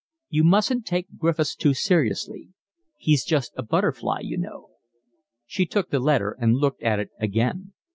"You mustn't take Griffiths too seriously. He's just a butterfly, you know." She took the letter and looked at it again.